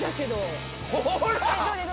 ほら！